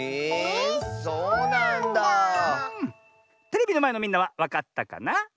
テレビのまえのみんなはわかったかなあ？